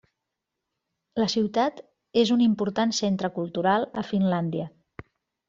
La ciutat és un important centre cultural a Finlàndia.